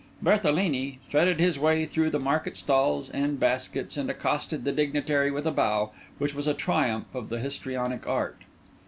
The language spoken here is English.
Berthelini threaded his way through the market stalls and baskets, and accosted the dignitary with a bow which was a triumph of the histrionic art.